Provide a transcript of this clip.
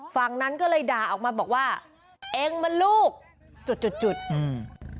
ฝั่งนั้นก็เลยด่าออกมาบอกว่าเองมันลูกจุดจุดจุดจุดอืม